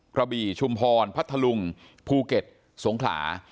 กระบี่ชุมพรพัทธลุงภูเก็ตสงขลา